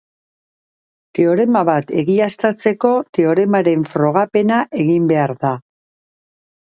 Teorema bat egiaztatzeko teoremaren frogapena egin behar da.